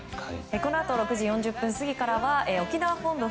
このあと６時４０分過ぎからは沖縄本土